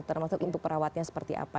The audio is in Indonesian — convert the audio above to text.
termasuk untuk perawatnya seperti apa